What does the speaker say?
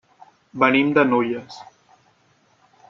Venim de Nulles.